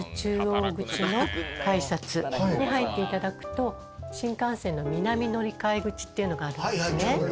の改札に入っていただくと新幹線の「南のりかえ口」っていうのがあるんですね。